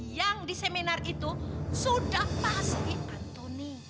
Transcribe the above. yang di seminar itu sudah pasti antoni